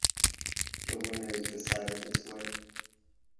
The winner is decided this way.